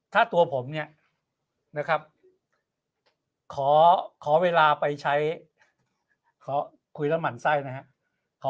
ถ้าตัวผมขอเวลาไปใช้เขาคุยแล้วหมั่นไส้นะครับ